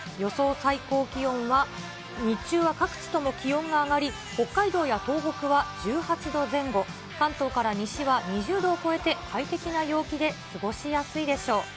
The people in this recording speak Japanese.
最高気温は、日中は各地とも気温が上がり、北海道や東北は１８度前後、関東から西は２０度を超えて、快適な陽気で過ごしやすいでしょう。